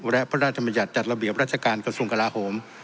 และพระราชมัญญัติจัดระเบียบราชการกระทรวงกลาโหม